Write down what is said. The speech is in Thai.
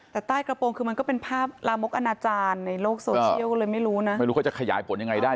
แต่ใต้กระโปรงคือมันก็เป็นภาพลามกอนาจารย์ในโลกโซเชียลก็เลยไม่รู้นะไม่รู้เขาจะขยายผลยังไงได้